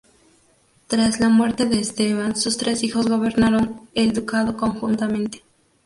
Tras la muerte de Esteban sus tres hijos gobernaron el ducado conjuntamente.